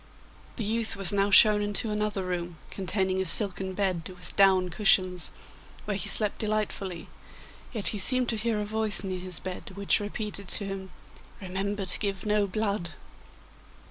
The youth was now shown into another room, containing a silken bed with down cushions, where he slept delightfully, yet he seemed to hear a voice near his bed which repeated to him, 'Remember to give no blood!